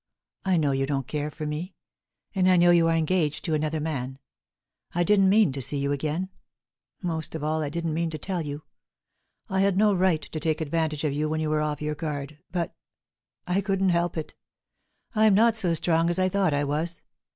I know you don't care for me; I know you are engaged to another man. I didn't mean to see you again; most of all I didn't mean to tell you. I had no right to take advantage of you when you were off your guard, but—I couldn't help it; I'm not so strong as I thought I was.